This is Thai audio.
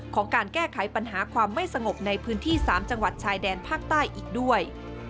การแก้ไขปัญหาความไม่สงบในพื้นที่๓จังหวัดชายแดนภาคใต้อีกด้วย